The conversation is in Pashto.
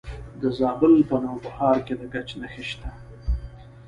د زابل په نوبهار کې د ګچ نښې شته.